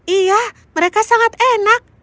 iya mereka sangat enak